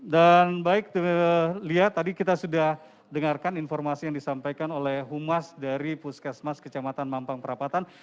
dan baik lihat tadi kita sudah dengarkan informasi yang disampaikan oleh humas dari puskesmas kecamatan mampang perapatan